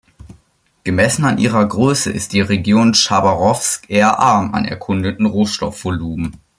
Gemessen an ihrer Größe ist die Region Chabarowsk eher arm an erkundeten Rohstoffvorkommen.